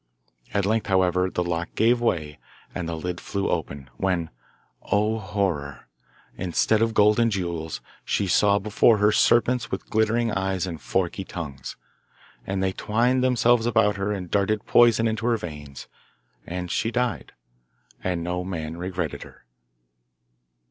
At length, however, the lock gave way, and the lid flew open, when, O horror! instead of gold and jewels, she saw before her serpents with glittering eyes and forky tongues. And they twined themselves about her and darted poison into her veins, and she died, and no man regretted her.